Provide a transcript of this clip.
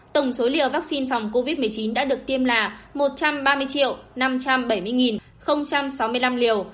tổng số liều vaccine phòng covid một mươi chín đã được tiêm là một trăm ba mươi năm trăm bảy mươi sáu mươi năm liều